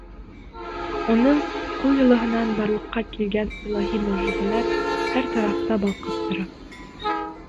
Уның ҡул йылыһынан барлыҡҡа килгән илаһи мөғжизәләр һәр тарафта балҡып тора.